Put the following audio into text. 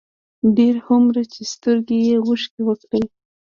ډېر هومره چې سترګو يې اوښکې وکړې،